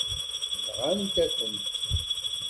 Nɣant-akent-t.